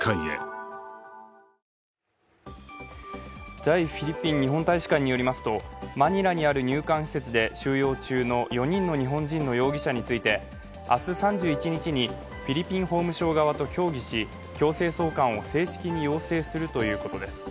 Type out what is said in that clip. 在フィリピン日本大使館によりますとマニラにある入館施設で収容中の４人の日本人の容疑者について、明日３１日にフィリピン法務省側と協議し強制送還を正式に要請するということです。